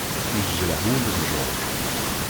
Yejreḥ wul n George.